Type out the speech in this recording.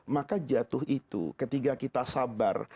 maka jatuh itu ketika kita sabar